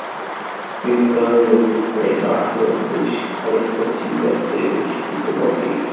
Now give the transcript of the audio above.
চুইংগামের মতো খানিকটা আঠালো, বেশ খানিকক্ষণ চিবানো যায়, মিষ্টি তো বটেই।